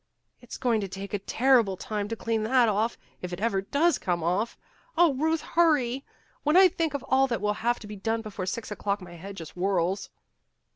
"It's going to take a terrible time to clean that off, if it ever does come off. Oh, Ruth, hurry! When I think of all that will have to be done before six o'clock, my head just whirls."